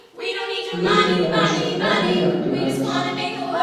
Лектын гына шукта, вигак тӱҥалеш...